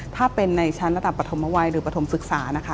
ถ้าเป็นในชั้นต่างปฐมวัยหรือปฐมศึกษา